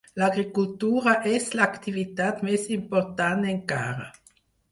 L'agricultura és l'activitat més important encara.